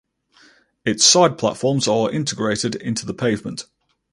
Its side platforms are integrated into the pavement.